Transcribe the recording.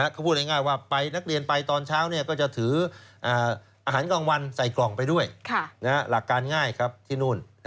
เขาพูดง่ายว่าไปนักเรียนไปตอนเช้าก็จะถืออาหารกลางวันใส่กล่องไปด้วยหลักการง่ายครับที่นู่น